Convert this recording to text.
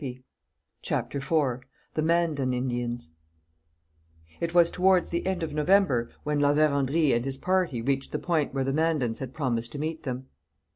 CHAPTER IV THE MANDAN INDIANS It was towards the end of November when La Vérendrye and his party reached the point where the Mandans had promised to meet them.